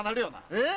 えっ？